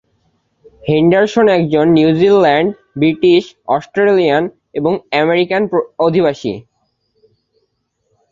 Henderson একজন New Zealand, British, Australian এবং American অধিবাসী।